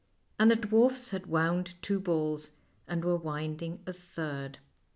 And the dwarfs had wound two balls, and were winding a third.